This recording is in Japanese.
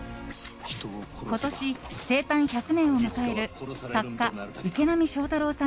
今年、生誕１００年を迎える作家・池波正太郎さん